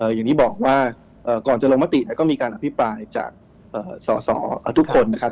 อย่างที่บอกว่าก่อนจะลงมติเนี่ยก็มีการอภิปรายจากสอสอทุกคนนะครับ